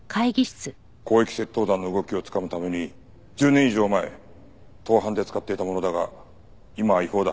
広域窃盗団の動きをつかむために１０年以上前盗犯で使っていたものだが今は違法だ。